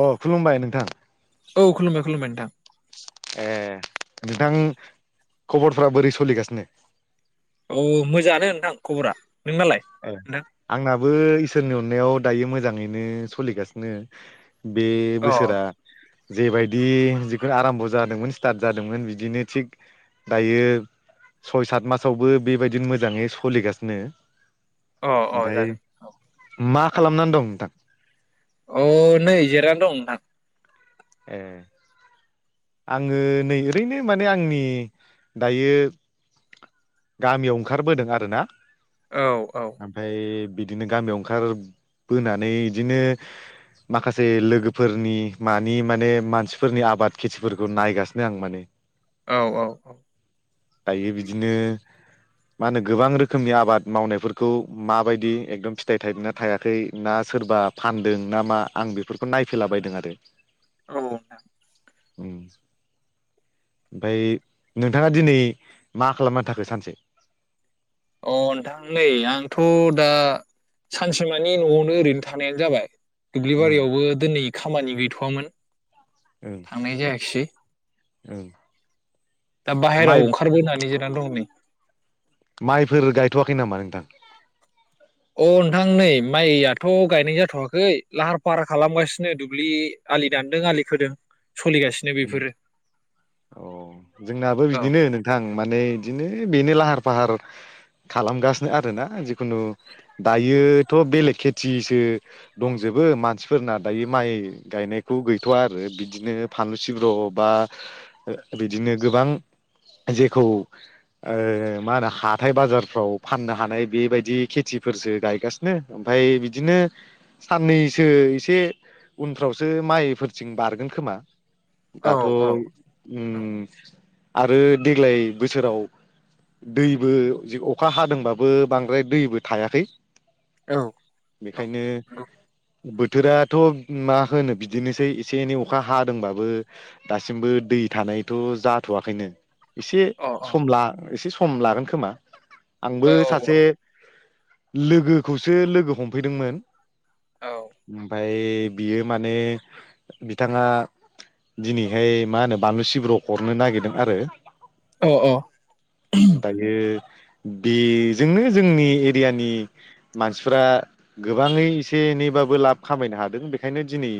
अ खुलुमबाय नोंथां औ खुलुमबाय खुलुमबाय नोंथां ए नोंथां खबरफोरा बोरै सोलिगासिनो? औ मोजाङानो नोंथां खबरा। नोंनालाय ए नोंथां आंनाबो इसोरनि अननायाव दायो मोजाङैनो सोलिगासिनो। बे अ बोसोरा जेबायदि जिखुनु आराम्भ' जादोंमोन स्टार्ट जादोंमोन बिदिनो थिग दायो सय सात मासावबो बेबायदिनो मोजाङै सलिगासिनो। अ अ जागोन औ। मा खालामनानै दं नोंथां? अ नै जिरानानै दं नोंथां। ए आङो नै ओरैनो माने आंनि दायो गामियाव ओंखारबोदों आरो ना। औ औ आमफाय बिदिनो गामियाव ओंखार बोनानै इदिनो माखासे लोगोफोरनि मा नि माने मानसिफोरनि आबाद खेथिफोरखौ नायगासिनो आं माने औ औ दायो बिदिनो मा होनो गोबां रोखोमनि आबाद मावनायफोरखौ माबायदि एकदम फिथाइ थाइदोना थायाखै ना सोरबा फानदों ना मा आं बेफोरखौ नायफैलाबायदों आरो औ नोंथां ओम ओमफाय नोंथाङा दिनै मा खालामना थाखो सानसे? अ नोंथां नै आंथ' दा सानसेमानि न'आवनो ओरैनो थानायानो जाबाय दुब्लि उम बारियावबो दिनै खामानि गैथ'वामोन थांनाय जायाखैसै ओम दा बाहेरायाव ओंखारबोनानै जिराना दं नै माइफोर गायथ'वाखै नामा नोंथां? अ नोंथां नै माइयाथ' गायनाय जाथ'वाखै लाहार फाहार खालामगासिनो दुब्लि आलि दानदों आलि खोदों सोलिगासिनो बेफोरो अ जोंनाबो औ बिदिनो नोंथां माने इदिनो बेनो लाहार फाहार खालामगासिनो आरोना जिखुनु दायोथ' बेलेग खेथिसो दंजोबो मानसिफोरना दायो माइ गायनायखौ गैथ'वा आरो बिदिनो फानलु सिब्र' बा ओ बिदिनो गोबां जेखौ ओ मा होनो हाथाय बाजारफ्राव फाननो हानाय बेबायदि खेथिफोरसो गायगासिनो ओमफ्राय बिदिनो साननैसो इसे उनफ्रावसो माइफोरथिं बारगोन खोमा औ दाथ' औ औ ओम आरो देग्लाय बोसोराव दैबो अखा हादोंबाबो बांद्राय दैबो थायाखै औ बेखायनो नंगौ। बोथोराथ' मा होनो बिदिनोसै एसे एनै अखा हा दोंबाबो दासिमबो दै थानायथ' जाथ'वाखैनो एसे अ औ समला एसे सम लागोन खोमा औ आंबो सासे लोगोखौसो लोगो हमफैदोंमोन औ ओमफ्राय बियो माने बिथाङा दिनैहाय मा होनो बानलु सिब्रु हरनो नागिरदों आरो औ दायो बेजोंनो जोंनि एरियानि मानसिफ्रा गोबाङै एसे एनैबाबो लाब खामायनो हादों बेखायनो दिनै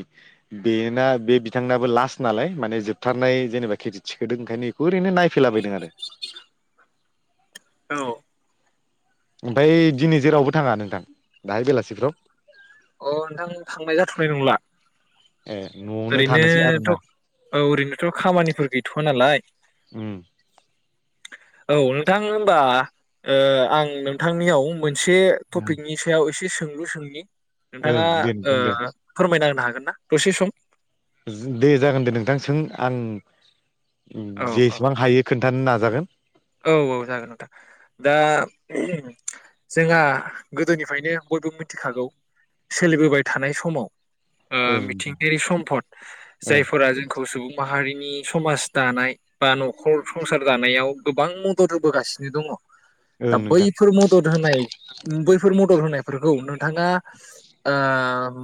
बेना बे बिथांनाबो लास्ट नालाय माने जोबथारनाय जेनेबा खेथि थिखोदों ओंखायनो बेखौ ओरैनो नायफैला बायदों आरो औ ओमफाय दिनै जेरावबो थाङा नोंथां दाहाय बेलासिफ्राव अ नोंथां थांनाय जाथ'नाय नंला ए न'आवनो थानोसै ओरैनोथ' आरोना औ ओरैनोथ' खामानिफोर गैथ'वा नालाय उम औ नोंथां होनबा ओआं नोंथांनियाव मोनसे टपिकनि सायाव एसे सों लु सोंनि ओं नोंथाङा दे ओ नोंथां दे फोरमायना होनो हागोन ना दसे सम? दे जागोन दे नोंथां सों आं उम औ औ जेसेबां हायो खोन्थानो ना जागोन औ औ जागोन नोंथां दा जोंहा गोदोनिफ्रायनो बयबो मिथिखागौ सोलिबोबाय थानाय समाव ओ ओं मिथिंगायारि सम्फद ओं जायफोरा जोंखौ सुबुं माहारिनि समाज दानाय बा न'खर संसार दानायाव गोबां मदद होबोगासिनो दङ दा ओं नोंथां बैफोर मदद होनाय बैफोर मदद होनाय फोरखौ नोंथाङा ओ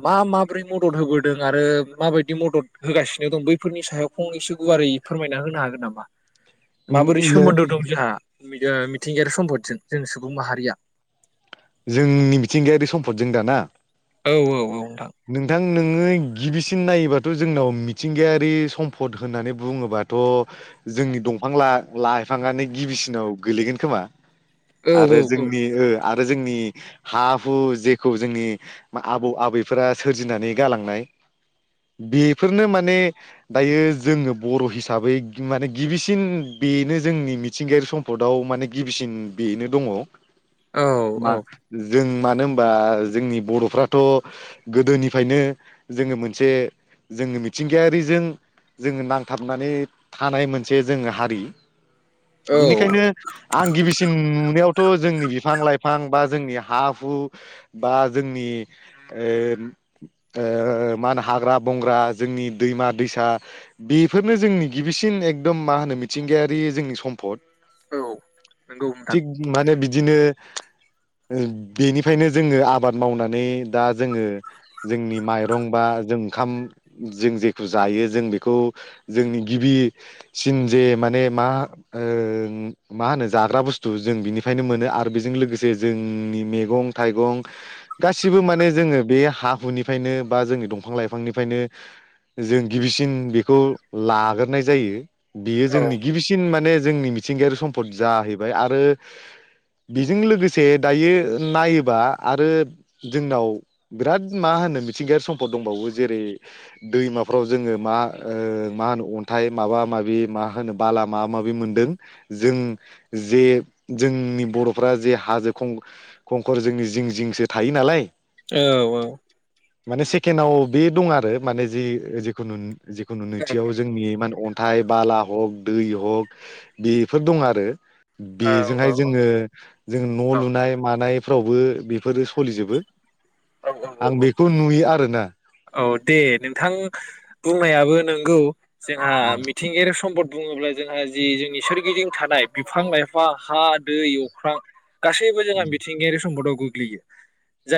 मा माब्रै मदद होबोदों आरो माबायदि मदद होगासिनो दं बैफोरनि सायाव फंनैसो गुवारै फोरमायना होनो हागोन नामा? माबोरै उम सोमोन्दो दं जोंहा मि ओ- मिथिंगायारि सम्पदजों जोंनि सुबुं माहारिया जोंनि मिथिंगायारि सम्फदजों दा ना? औ औ औ नोंथां नोङो गिबिसिन नायोबाथ' जोंनाव मिथिंगायारि सम्पद होननानै बुङोबाथ' जोंनि दंफां ला- लाइफाङानो गिबिसिनाव गोलैगोन खोमा। औ औ आरो जोंनि ओ-आरो जोंनि हा हु जेखौ जोंनि मा आबौ आबै फोरा सोरजिनानै गालांनाय बेफोरनो माने दायो जोङो बर' हिसाबै माने गिबिसिन बेनो जोंनि मिथिंगायारि सम्फदआव माने गिबिसिन बेनो दङ औ मा औ जों मानो होनबा जोंनि बर'फ्राथ'। गोदोनिफ्रायनो जोङो मोनसे जोङो मिथिंगायारिजों जोङो नांथाबनानै थानाय मोनसे जोङो हारि। औ बिनिखायनो आं गिबिसिन नुनायाव। थ' जोंनि बिफां लाइफां बा जोंनि हा हु बा जोंनि ओ- ओ- मा होनो हाग्रा बंग्रा जोंनि दैमा दैसा बेफोरनो जोंनि गिबिसिन एकदम मा होनो मिथिंगायारि जोंनि सम्फद। औ नंगौ नोंथां थिग माने बि दिनो ओ- बेनिफ्रायनो जोङो आबाद मावनानै दा जोङो जोंनि माइरं बा जों ओंखाम जों जेखौ जायो जों बेखौ जोंनि गिबिसिन जे माने मा ओ- मा होनो जाग्रा बुस्थु जों बिनिफ्रायनो मोनो आरो बेजों लोगोसे जोंनि मैगं थाइगं गासिबो माने जोङो बे हा हुनिफ्रायनो बा जोंनि दंफां लाइफांनिफ्रायनो जों गिबिसिन बिखौ लाग्रोनाय जायो। बियो औ जोंनि गिबिसिन माने जोंनि मि थिंगायारि सम्फद जाहैबाय आरो बिजों लोगोसे दायो ओ- नायोबा आरो जोंनाव बिराद मा होनो मिथिंगायारि सम्फद दंबावो जेरै दैमाफ्राव जोङो मा ओ- मा नो अन्थाइ माबा माबि मा होनो बाला मा माबि मोनदों जों जे जोंनि बर'फोरा जे हाजो खं खंखर जोंनि जिं जिंसो थायो नालाय औ औ माने सेकेणाव बे दं आरो माने जे जिखुनु जिखुनु नैथियाव जोंनि माने अन्थाइ बाला हक दै हग बेफोर दं आरो। औ बेजोंहाय औ जोङो जों न' औ लुनाय मानाय फोरावबो बेफोरो सलिजोबो। औ औ औ औ औ दे नोंथां बुंनायाबो नों गौ जोंहा उम मिथिंगायारि सम्पद बुङोब्ला जोंहा जि जोंनि सोरगिदिं थानाय बिफां लाइफां हा दै अख्रां गासैबो जोंङा उम मिथिंगायारि सम्पदाव गो [unintelligible]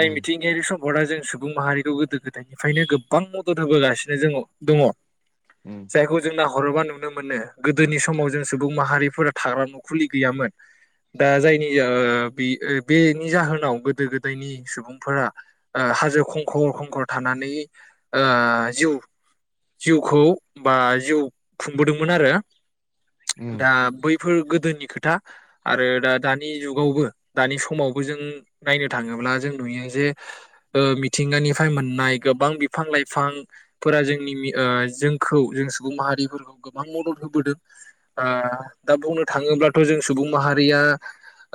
उम यारि सम्पदआ जों सुबुं माहारिखौ गोदो गोदायनिफ्रायनो गोबबां मदद होबोगासिनो जोङ दङ। उम जायखौ जोंनाव हरोबा नुनो मोनो गोदोनि समाव जों सुबुं माहारिफोरा थाग्रा न'खुलि गैयामोन दा जायनि ओ बि ओ बेनि जाहोनाव गोदो गोदायनि सुबुं [unintelligible] ओ हाजो खंखर खंखर थानानै ओ जिउ जिउखौ बा जिउ खुंबोदोंमोन आरो। उम दा बै [unintelligible] गोदोनि खोथा आरो दा दानि जुगावबो दानि समावबो जों नायनो थाङोब्ला जों नुयो जे ओ मिथिंगानिफ्राय मोननाय गोबां बिफां लाइफांफोरा जोंनि मि ओ जोंखौ जों सुबुं माहारिफोरखौ गोबां मदद होबोदों आ दा बुंनो थाङोब्लाथ' जों सुबुं माहारिया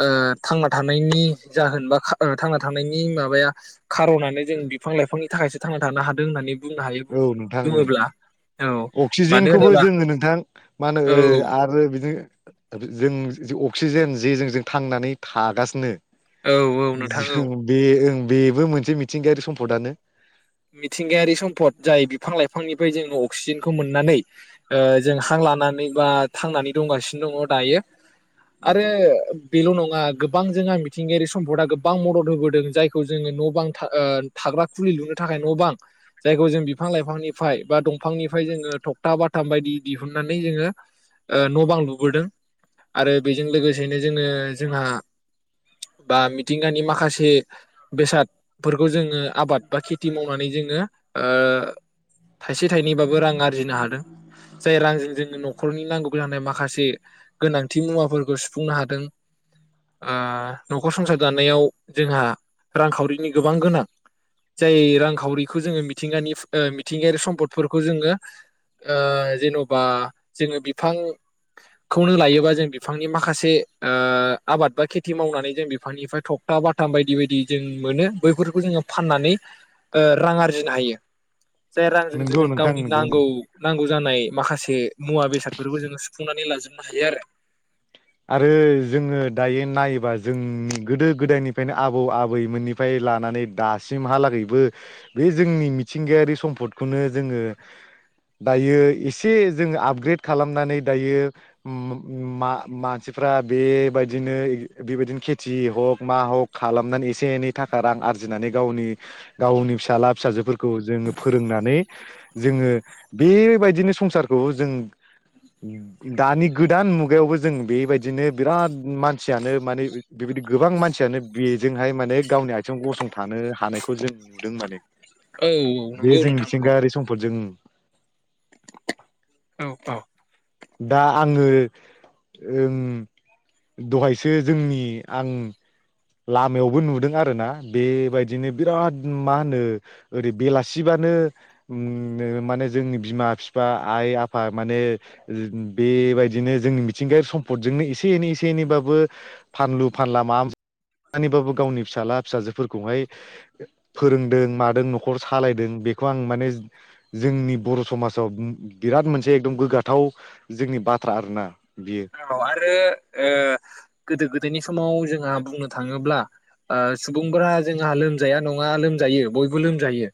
ओ थांना थानायनि जाहोन बा खा ओ थांना थानायनि मा [unintelligible] खारनानो जों बिफां लाइफांनि थाखायसो थांना थानो हादों होननानै बुंनो हायो औ नोंथां बुङोब्ला औ ओं मानो अक्सिजेनखौबो होनोबा जोङो नोंथां मान औ हो आरो बिदि बि जों जि अक्सिजेन जेजों जों थांनानै थागासिनो औ औ नोंथां औ जों बे ओं बेबो मोनसे मिथिंगायारि सम्पदानो। मिथिंगायारि सम्फद जाय बिफां लाइफांनिफ्राय जोङो अक्सिजेनखौ मोननानै ओ जों हां लानानै बा थांनानै दंगासिनो दङ दायो आरो ओ बेल' नङा गोबां जोंहा मिथिंगायारि सम्पदा गोब्बां मदद होबोदों जायखौ जोङो न' बां था ओ थाग्रा खुलि लुनो थाखाय न' बां जायखौ जों बिफां लाइफांनिफ्राय बा दंफांनिफ्राय जोङो थखथा बाथाम बायदि दिहुननानै जोङो ओ न' बां लुबोदों आरो बेजों लोगोसेनो जोङो जोंहा बा मिथिंगानि माखासे बेसादफोरखौ जोङो आबाद बा [unintelligible] खेथि मावनानै जोङो ओ थाइसे थाइनैबाबो रां आरजिनो हादों जाय रांजों जोंङनो न'खरनि नांगौ जानाय माखासे गोनांथि मुवाफोरखौ सुफुंनो हादों ओ न'खर संसार जानायाव जोंहा रांखावरिनि गोबां गोनां जाय रांखावरिखौ जोङो मिथिंगानि मिथिंगायारि सम्पदफोरखौ जोङो ओ जेन'बा जोङो बिफांखौनो लायोबा जों बिफांनि माखासे ओ आबाद बा खेथि मावनानै जों बिफांनिफ्राय थखथा बाथाम बायदि बायदि जों मोनो बैफोरखौ जोङो फाननानै ओ रां आरजिनो हायो। जाय रांजों नंगौ जोंङो नोंथां गावनि नंगौ नांगौ नांगौ [unintelligible] जानाय माखासे मुवा बेसादफोरबो जो सुुंफुंनानै लायो। जेनबा हायो आरो। आरो जोङो दायो नायोबा जोंनि गोदो गोदायनिफ्रायनो आबौ आबैमोननिफ्राय लानानै दासिमहालागैबो बे जोंनि मिथिंगायारि सम्फदखौनो जोङो दायो एसे जोङो आपग्रेड खालामनानै दायो म-मा मानसिफ्रा बेबायदिनो बेबायदिनो खेथि हक मा हक खालामनानै एसे एनै थाखा रां आरजिनानै गावनि गावनि फिसाला फिसाजोफोरखौ [unintelligible] जोङो फोरोंनानै जोङो बेबायदिनो संसारखौ जों दानि गोदान मुगायावबो जों बेबायदिनो बिराद मानसियानो माने बेबायदि गोबां मानसियानो बेजोंहाय माने गावनि आथिं गसंथानो हानायखौ जों नुदों माने। औ बे नंगौ जों नोंथां नंगौ मिथिंगायारि सम्पदजों औ औ। दा आङो ओम दहायसो जोंनि आं लामायावबो नुदों आरोना बेबायदिनो बिराद मा होनो ओरै बेलासिबानो माने जोंनि बिमा बिफा आइ आफा माने बेबायदिनो जोंनि मिथिंगायारि सम्फदजोंनो एसे एनै एसे एनैबाबो फानलु फानला माबा मानैबाबो गावनि फिसााजला फिसाजोफोरखौहाय फोरोंदों मादों न'खर सालायदों बेखौ आं माने जोंनि बर' समाजाव बिराद मोनसे एकदम [unintelligible] [unintelligible] जोंनि बाथ्रा आरोना। बियो। औ आरो ओ गोदो गोदायनि आसामाव जोंहा बुंनो थाङोब्ला ओ सुबुंफोरा जोंहा लोमजाया नङा लोमजायो बयबो लोमजायो।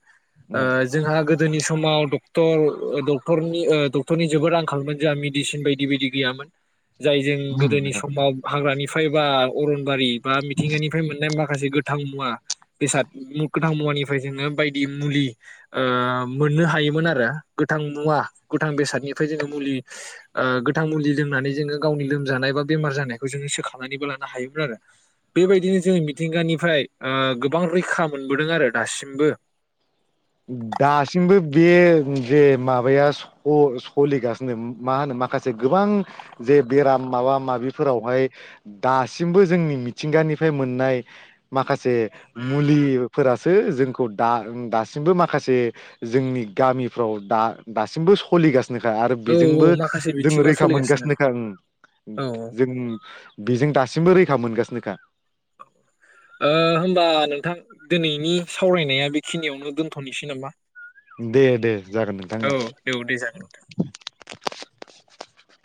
ओ जोंहा [unintelligible] गोदोनि समाव डक्टर- डक- डक्टरनि जोबोद आंखालमोन जोंहा मेडिसिन बायदि बायदि गैयामोन। जाय जों गोदोनि उम समाव हाग्रानि फायबा अरनबारि बा मिथिंगानिफ्राय मोननाय मा माखासे गोथां मुवा बेसाद गोथां मुवानिफ्राय जोङो बायदि मुलि ओ मोननो हायोमोन आरो गोथां मुवा गोथां बेसादनिफ्राय जोङो मुलि ओ गोथां मुलि लोंनानै जोङो गावनि लोमजानाय बा बेमार जानायखौ जोङो सोखनानैबो लानो हायोमोन आरो बेबायदिनो जोंङो मिथिंगानिफ्राय गोबां रैखा मोनबोदों आरो दासिमबो दासिमबो बे जे माबाया स सोलिगासिनो मा होनो माखासे गोबां जे बेराम माबा माबिफोरावहाय दासिमबो जोंनि मिथिंगानिफ्राय मोननाय माखासे मुलिफोरासो जोंखौ दा दासिम दासिबो माखासे जोंनि गामिफ्राव दा दासिमबो सलिगासिनो आरो औ बेजोंबो औ माखासे जों बिथिङाव रैखा सोलिगासिनो मोनगासिनोखा ओं औ औ जों बेज दासिमबो रैखा मोनगासिनोखा होमबा नोंथां दिनैनि सावरायनाया बेखिनियावनो दोनथ'नोसै नामा दे दे जागोन औ नोंथांनो औ दे जागोन [inaudible]